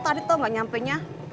otoran dari tadi tahu nggak nyampainya